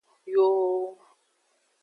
Yooo.